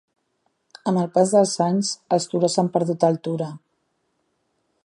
Amb el pas dels anys, els turons han perdut altura.